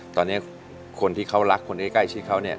ตอนนี้คนที่เขารักคนใกล้ชิดเขาเนี่ย